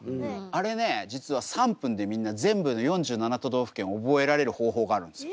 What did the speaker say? あれね実は３分でみんな全部の４７都道府県覚えられる方法があるんですよ。